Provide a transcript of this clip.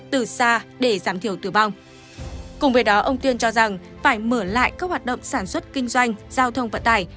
giảm thiểu tử vong cùng với đó ông tuyên cho rằng phải mở lại các hoạt động sản xuất kinh doanh giao thông vận tải